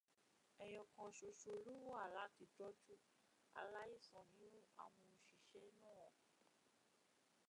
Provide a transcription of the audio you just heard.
Ẹyọ kan ṣoṣo ló wá láti tọ̀jú aláìsàn nínú àwọn òṣìṣẹ́ náà.